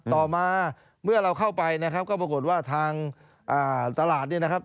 ต่อมาเมื่อเราเข้าไปนะครับก็ปรากฏว่าทางตลาดเนี่ยนะครับ